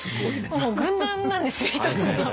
軍団なんですよ一つの。